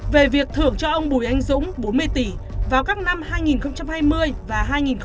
về việc thưởng cho ông bùi anh dũng bốn mươi tỷ vào các năm hai nghìn hai mươi và hai nghìn hai mươi một